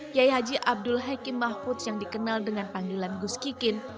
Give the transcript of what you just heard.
kiai haji abdul hakim mahfudz yang dikenal dengan panggilan gus kikin